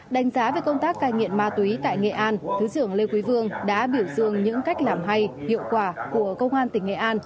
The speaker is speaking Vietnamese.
đánh giá về công tác cai nghiện ma túy tại nghệ an thứ trưởng lê quý vương đã biểu dương những cách làm hay hiệu quả của công an tỉnh nghệ an